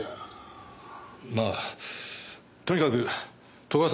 まあとにかく斗ヶ